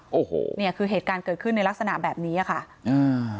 โอ้โหเนี่ยคือเหตุการณ์เกิดขึ้นในลักษณะแบบนี้อ่ะค่ะอ่า